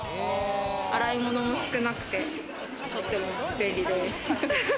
洗い物も少なくて、とても便利です。